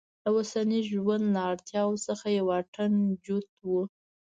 له اوسني ژوند له اړتیاوو څخه یې واټن جوت و.